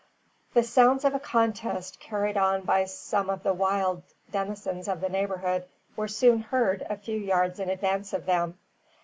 The sounds of a contest carried on by some of the wild denizens of the neighbourhood were soon heard a few yards in advance of them.